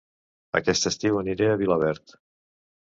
Aquest estiu aniré a Vilaverd